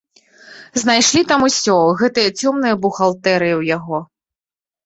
Знайшлі там усё, гэтыя цёмныя бухгалтэрыі ў яго.